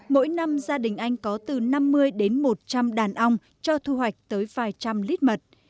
mỗi năm gia đình anh có từ năm mươi đến một trăm linh đàn ong cho thu hoạch tới vài trăm lít mật